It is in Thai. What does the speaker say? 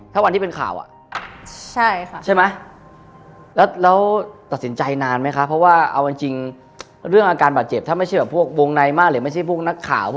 ชั้นได้รายงานเมื่อก่อนไหมนานมากค่ะ